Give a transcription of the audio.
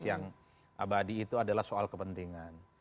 yang abadi itu adalah soal kepentingan